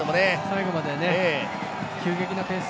最後まで急激なペース